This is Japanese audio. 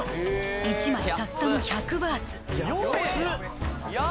１枚たったの１００バーツ４円？